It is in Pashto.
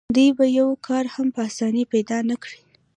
دوی به یو کار هم په اسانۍ پیدا نه کړي